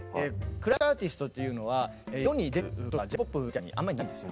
クラシックアーティストというのは世に出ることが『Ｊ−ＰＯＰ』みたいにあんまりないんですよ。